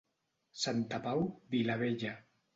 Santa Pau, vila vella.